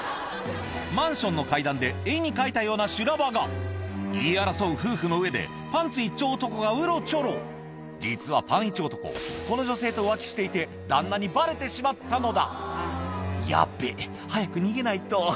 マンションの階段で絵に描いたような修羅場が言い争う夫婦の上でパンツいっちょう男がうろちょろ実はパンいち男この女性と浮気していて旦那にバレてしまったのだ「ヤッベ早く逃げないと」